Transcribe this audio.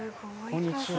こんにちは。